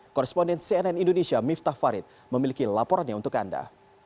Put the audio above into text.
koresponden cnn indonesia miftah farid memiliki laporannya untuk anda